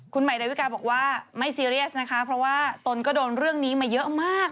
คุณหมายดาวิกาบอกว่าไม่ซีเรียสนะคะเพราะว่าตนก็โดนเรื่องนี้มาเยอะมาก